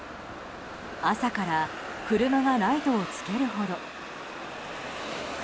朝から車がライトをつけるほど。